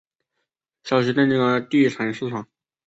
消息震惊了地产市场。